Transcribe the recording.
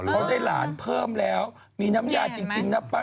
เขาได้หลานเพิ่มแล้วมีน้ำยาจริงนะป้า